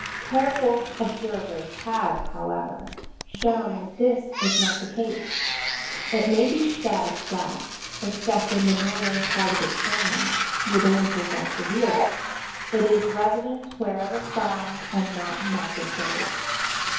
Careful observers have, however, shown that this is not the case. It may be said that, except in the northern part of its range, where the winters are severe, it is resident wherever found and not migratory.